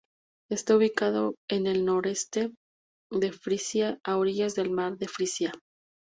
Está ubicado en el noroeste de Frisia, a orillas del mar de Frisia.